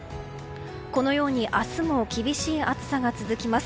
このように明日も厳しい暑さが続きます。